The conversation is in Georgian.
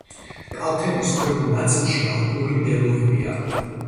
კალთების ქვემო ნაწილში ალპური მდელოებია.